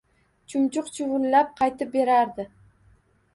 Chumchuq chuvlab qaytib berardi…